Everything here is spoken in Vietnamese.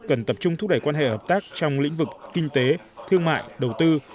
cần tập trung thúc đẩy quan hệ hợp tác trong lĩnh vực kinh tế thương mại đầu tư